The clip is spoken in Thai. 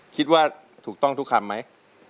คิดว่าถูกต้องทุกคำไหม